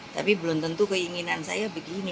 tapi belum tentu keinginan saya begini